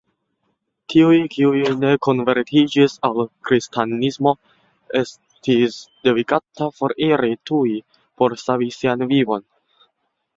Tiuj kiuj ne konvertiĝis al kristanismo estis devigataj foriri tuj por savi sian vivon.